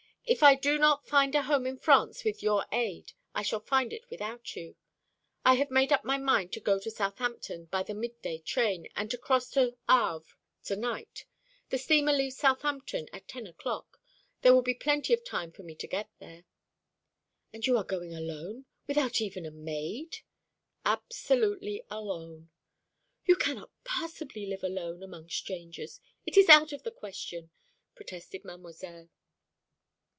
If I do not find a home in France with your aid, I shall find it without you. I have made up my mind to go on to Southampton by the midday train, and to cross to Havre to night. The steamer leaves Southampton at ten o'clock. There will be plenty of time for me to get there." "And you are going alone, without even a maid?" "Absolutely alone." "You cannot possibly live alone among strangers it is out of the question," protested Mademoiselle.